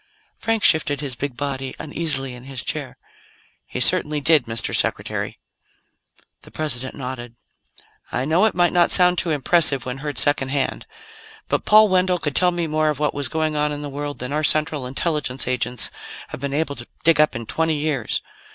Frank shifted his big body uneasily in his chair. "He certainly did, Mr. Secretary." The President nodded. "I know it might not sound too impressive when heard second hand, but Paul Wendell could tell me more of what was going on in the world than our Central Intelligence agents have been able to dig up in twenty years.